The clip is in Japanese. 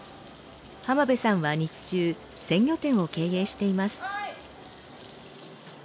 浜辺さんは日中鮮魚店を経営しています。